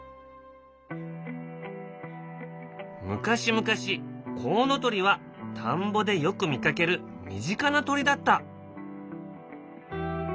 昔々コウノトリは田んぼでよく見かける身近な鳥だった。